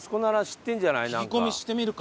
聞き込みしてみるか。